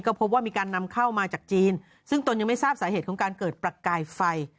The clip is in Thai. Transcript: ก็พบว่ามีการนำเข้ามาจากจีนซึ่งตนยังไม่ทราบสาเหตุของการเกิดประกายไฟ